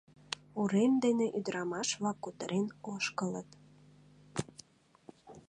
Урем дене ӱдырамаш-влак кутырен ошкылыт.